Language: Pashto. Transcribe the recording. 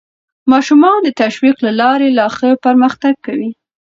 ماشومان د تشویق له لارې لا ښه پرمختګ کوي